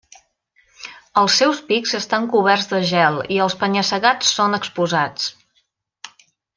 Els seus pics estan coberts de gel i els penya-segats són exposats.